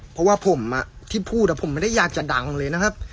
เพราะว่าผมที่พูดผมไม่ได้อยากจะดังเลยนะครับ